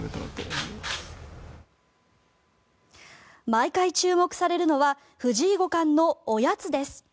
毎回注目されるのは藤井五冠のおやつです。